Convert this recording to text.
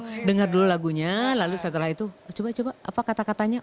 saya dengar dulu lagunya lalu setelah itu coba coba apa kata katanya